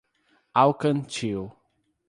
Alcantil